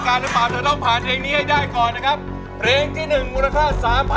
หรือร้องผิดครับ